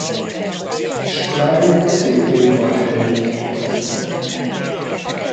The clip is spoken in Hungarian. Iskoláit Székelyudvarhelyt kezdette.